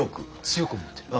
強く思ってる？